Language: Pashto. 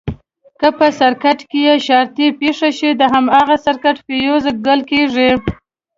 که په سرکټ کې شارټي پېښه شي د هماغه سرکټ فیوز ګل کېږي.